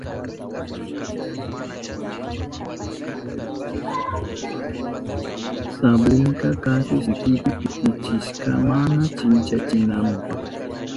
Sablinta kaspi sikipi pitichishka mana chinkachinanpa.